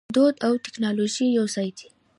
دود او ټیکنالوژي یوځای دي.